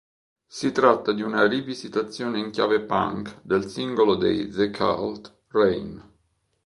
Si tratta di una rivisitazione in chiave punk del singolo dei The Cult "Rain".